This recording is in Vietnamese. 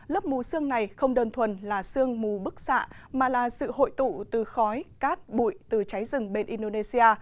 lớp mù sương này không đơn thuần là sương mù bức xạ mà là sự hội tụ từ khói cát bụi từ cháy rừng bên indonesia